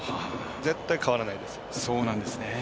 絶対変わらないです。